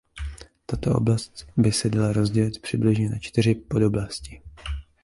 Tato oblast by se dala rozdělit přibližně na čtyři podoblasti.